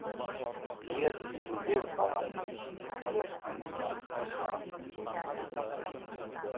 Ер еруде бала мінезді, ер сайыста шала мінезді.